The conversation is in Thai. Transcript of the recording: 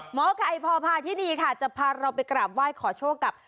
หมอไก่พอพาที่นี่ค่ะจะพาเราไปกราบไหว้ขอโชคกับ